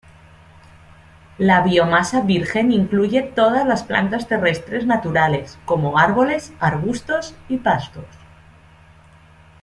La biomasa virgen incluye todas las plantas terrestres naturales, como árboles, arbustos y pastos.